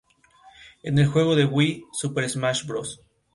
Estaba formada por el Encuentro Progresista-Frente Amplio y el Nuevo Espacio.